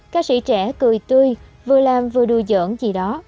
ca sĩ trẻ cười tươi vừa làm vừa đùa giỡn gì đó